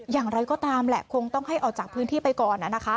อย่างไรก็ตามแหละคงต้องให้ออกจากพื้นที่ไปก่อนนะคะ